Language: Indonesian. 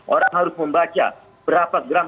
orang harus membaca berapa gram